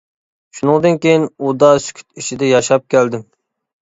شۇنىڭدىن كېيىن، ئۇدا سۈكۈت ئىچىدە ياشاپ كەلدىم.